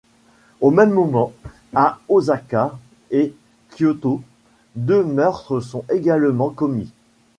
Au même moment, à Osaka et Kyôto, deux meurtres sont également commis.